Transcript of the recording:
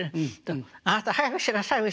「あなた早くしなさい